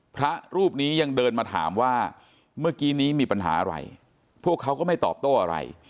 พระรูปนี้ยังเดินมาถามว่าเมื่อกี้นี้มีปัญหาอะไรพวกเขาก็ไม่ตอบโต้อะไร